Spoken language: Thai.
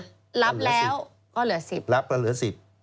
รับแล้วก็เหลือ๑๐